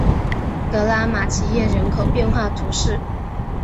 格拉马齐耶人口变化图示